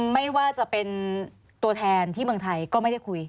ไม่ว่าจะเป็นตัวแทนที่เมืองไทยก็ไม่ได้คุย